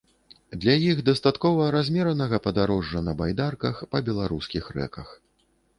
Для іх дастаткова размеранага падарожжа на байдарках па беларускіх рэках.